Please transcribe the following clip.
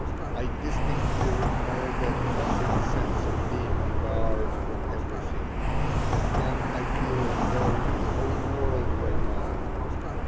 I distinctly recall that crushing sense of being debarred from everything, and then I feel as though the whole world were mine.